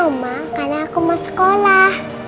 rumah karena aku mau sekolah